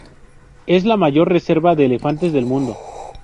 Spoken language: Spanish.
Es la mayor reserva de elefantes del mundo.